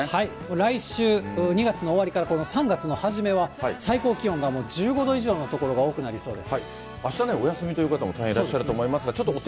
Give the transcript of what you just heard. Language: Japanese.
来週、２月の終わりからこの３月の初めは最高気温がもう１５度以上の所が多くなりそうです。